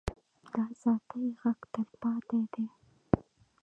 د ازادۍ غږ تلپاتې دی